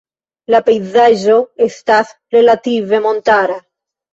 La pejzaĝo estas relative montara.